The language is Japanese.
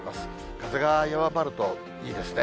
風が弱まるといいですね。